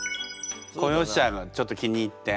「子よっしゃあ」がちょっと気に入って。